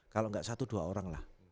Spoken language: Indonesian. kalau nggak satu dua orang lah